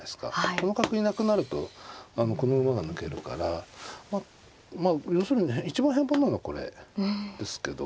この角いなくなるとこの馬が抜けるからまあ要するに一番平凡なのはこれですけど。